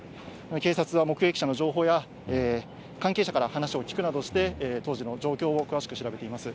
警察は目撃者の情報や、関係者から話を聞くなどして、当時の状況を詳しく調べています。